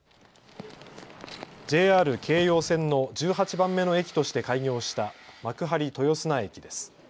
ＪＲ京葉線の１８番目の駅として開業した幕張豊砂駅です。